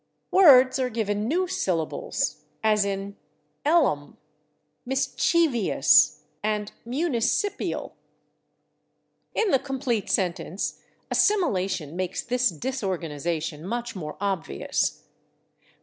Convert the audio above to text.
Words are given new syllables, as in /ellum/, /mischievious/ and /municipial/. In the complete sentence, assimilation makes this disorganization much more obvious.